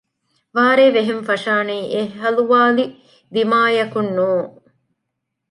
ވާރޭ ވެހެން ފަށާނީ އެހަލުވާލި ދިމާއަކުން ނޫން